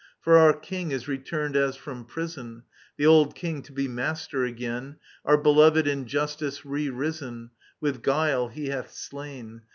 For our king is returned as from prison. The old king, to be master again, iOur belovAd in justice re risen : With guile he hath slain •